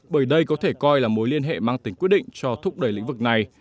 bởi đây có thể coi là mối liên hệ mang tính quyết định cho thúc đẩy lĩnh vực này